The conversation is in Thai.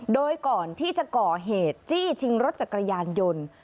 โดยก่อนที่จะก่อเหตุจี้ชิงรถจักรยานยนต์